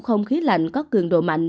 không khí lạnh có cường độ mạnh